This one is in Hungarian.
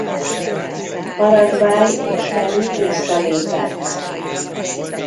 Paraguay és Peru visszalépett.